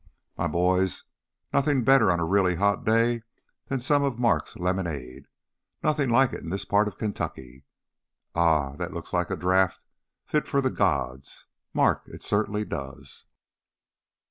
"M' boys, nothing better on a really hot day than some of Mark's lemonade. Nothing like it in this part of Kentucky. Ah, that looks like a draft fit for the gods, Mark, it certainly does!"